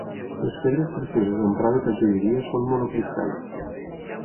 Les pedres precioses emprades a joieria són monocristalls.